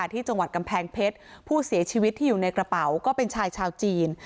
ที่จังหวัดกำแพงเพชรผู้เสียชีวิตที่อยู่ในกระเป๋าก็เป็นชายชาวจีน